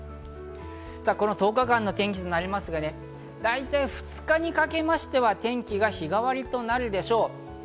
１０日間の天気になりますが、だいたい２日にかけましては天気が日替わりとなるでしょう。